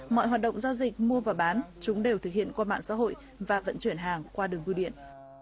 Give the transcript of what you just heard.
mọi hoạt động giao dịch mua và bán chúng đều thực hiện qua mạng xã hội và vận chuyển hàng qua đường bưu điện